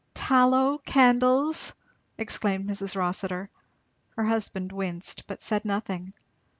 "Tallow candles!" exclaimed Mrs. Rossitur. Her husband winced, but said nothing.